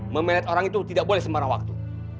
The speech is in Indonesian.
memeret orang itu tidak boleh sebarang waktu